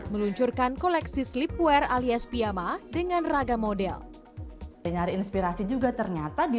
meluncurkan koleksi sleepwear alias piyama dengan ragam model dengar inspirasi juga ternyata di